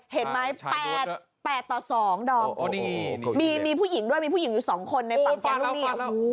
เห็นไหม๘ต่อ๒ดอมมีผู้หญิงด้วยมีผู้หญิงอยู่๒คนในฝั่งแฟลูเนียม